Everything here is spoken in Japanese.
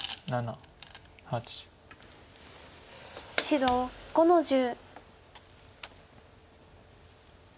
白５の十。